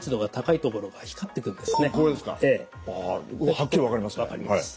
はっきり分かりますね。